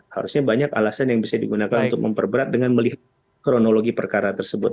harusnya banyak alasan yang bisa digunakan untuk memperberat dengan melihat kronologi perkara tersebut